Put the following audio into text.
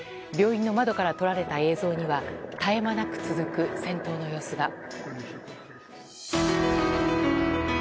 病院の窓から撮られた映像には絶え間なく続く戦闘の様子が。